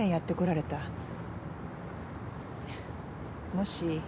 もし。